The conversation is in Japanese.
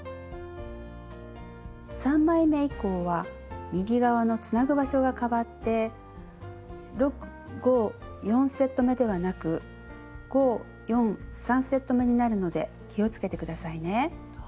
３枚め以降は右側のつなぐ場所が変わって６５４セットめではなく５４３セットめになるので気を付けて下さいね。